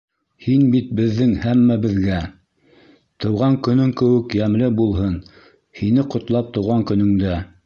Һин бит беҙҙең һәммәбеҙгә Тыуған көнөң кеүек йәмле булһын Һине ҡотлап тыуған көнөңдә.